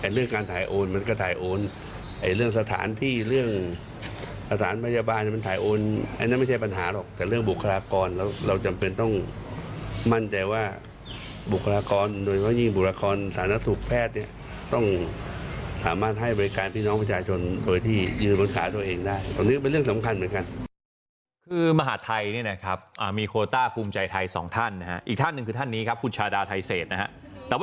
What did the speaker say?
เรื่องการถ่ายโอนมันก็ถ่ายโอนเรื่องสถานที่เรื่องสถานพยาบาลถ่ายโอนอันนั้นไม่ใช่ปัญหาหรอกแต่เรื่องบุคลากรเราจำเป็นต้องมั่นใจว่าบุคลากรโดยยิ่งบุคลากรสาธารณสุขแพทย์ต้องสามารถให้บริการพี่น้องประชาชนโดยที่ยืนบนขาของตัวเองได้ตรงนี้เป็นเรื่องสำคัญเหมือนกันคือมหาดไทยนี่นะครับมีโคลต้าภูม